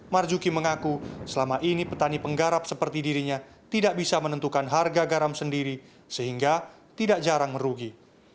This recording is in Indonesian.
marjuki mengaku selama ini petani penggarap seperti dirinya tidak bisa menentukan harga garam sendiri sehingga tidak jarang merugi